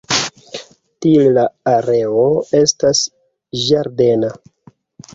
Tiel la areo estas ĝardena.